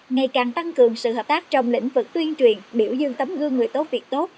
ngày càng tăng cường sự hợp tác trong lĩnh vực tuyên truyền biểu dương tấm gương người tốt việc tốt